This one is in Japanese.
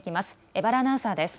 江原アナウンサーです。